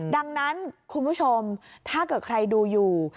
ดังนั้นคุณผู้ชมถ้าเกิดใครดูอยู่